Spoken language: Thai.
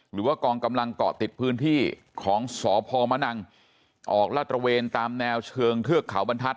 หรือว่ากองกำลังเกาะติดพื้นที่ของสพมนังออกลาดตระเวนตามแนวเชิงเทือกเขาบรรทัศ